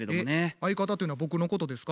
相方っていうのは僕のことですか？